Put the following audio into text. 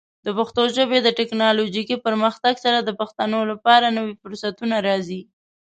د پښتو ژبې د ټیکنالوجیکي پرمختګ سره، د پښتنو لپاره نوې فرصتونه راځي.